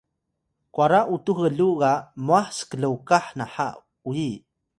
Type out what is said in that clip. kwara utux gluw ga mwah sklokah naha uyi